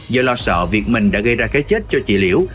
do lo sợ việc mình đã gây ra cái chết cho chị liễu